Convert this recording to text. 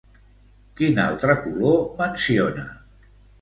Quin altre color menciona?